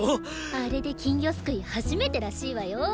あれで金魚すくい初めてらしいわよ。